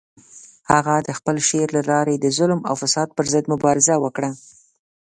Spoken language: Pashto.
هغه د خپل شعر له لارې د ظلم او فساد پر ضد مبارزه وکړه.